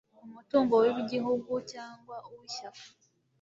umutungo w igihugu cyangwa uw ishyaka